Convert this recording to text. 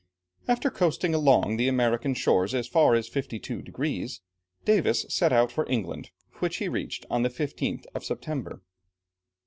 After coasting along the American shores as far as 52 degrees, Davis set out for England, which he reached on the 15th of September.